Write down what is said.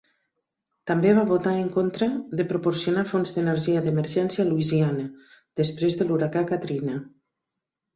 També va votar en contra de proporcionar fons d'energia d'emergència a Louisiana després de l'huracà Katrina.